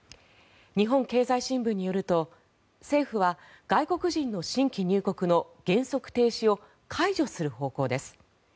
日本経済新聞によると、政府は外国人の新規入国の原則停止を解除する方向です。